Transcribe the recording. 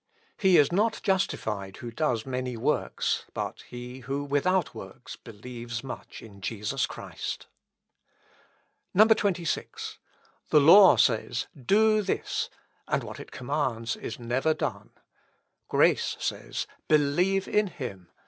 "He is not justified who does many works; but he who, without works, believes much in Jesus Christ. 26. "The law says, Do this! And what it commands is never done. Grace says, Believe in him!